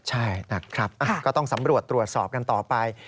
ใช่นะครับก็ต้องสำรวจตรวจสอบกันต่อไป